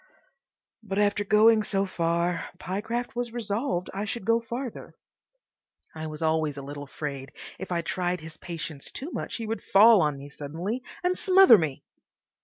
But after going so far Pyecraft was resolved I should go farther. I was always a little afraid if I tried his patience too much he would fall on me suddenly and smother me.